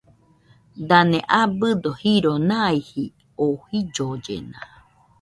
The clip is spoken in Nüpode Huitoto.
Dane abɨdo jiro naijɨ oo jillollena.